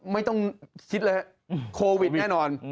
ไม่ต้องคิดเลยฮะโควิดแน่นอน